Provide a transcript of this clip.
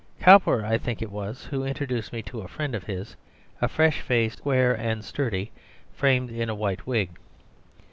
Cowper, I think it was, who introduced me to a friend of his, a fresh face, square and sturdy, framed in a white wig.